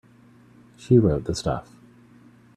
She wrote the stuff.